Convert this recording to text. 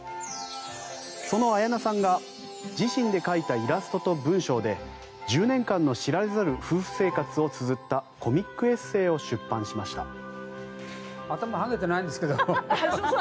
その綾菜さんが自身で描いたイラストと文章で１０年間の知られざる夫婦生活をつづったコミックエッセーを出版しました。